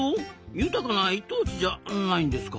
豊かな一等地じゃないんですか？